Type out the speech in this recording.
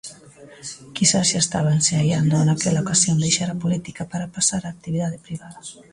Quizais xa estaba ensaiando naquela ocasión deixar a política para pasar á actividade privada.